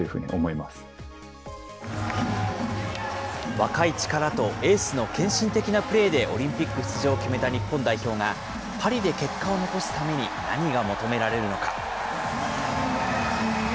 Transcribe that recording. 若い力とエースの献身的なプレーでオリンピック出場を決めた日本代表が、パリで結果を残すために何が求められるのか。